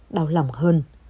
đau lòng hơn